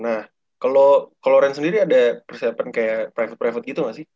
nah kalo loren sendiri ada persiapan kayak private private gitu gak sih